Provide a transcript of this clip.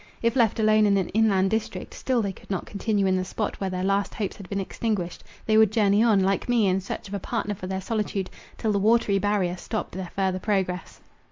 If left alone in an inland district, still they could not continue in the spot where their last hopes had been extinguished; they would journey on, like me, in search of a partner for their solitude, till the watery barrier stopped their further progress.